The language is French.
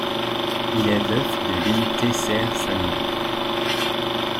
Il est veuf de Line Teisseyre-Sallmann.